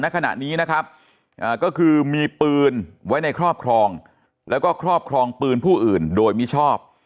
ขณะนี้นะครับก็คือมีปืนไว้ในครอบครองแล้วก็ครอบครองปืนผู้อื่นโดยมิชอบ